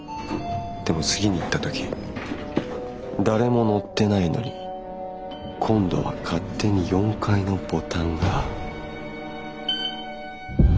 でも次に行った時誰も乗ってないのに今度は勝手に４階のボタンが。